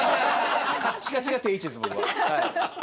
カッチカチが定位置です僕は。